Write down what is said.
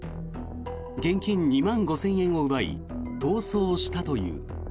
現金２万５０００円を奪い逃走したという。